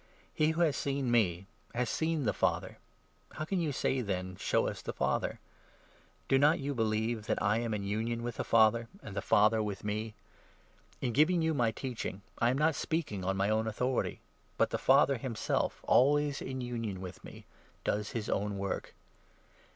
He who has seen me has seen the Father, how can you say, then, ' Show us the Father '? Do not you believe that I am in union with 10 the Father, and the Father with me ? In giving you my teach ing I am not speaking on my own authority ; but the Father himself, always in union with me, does his own work.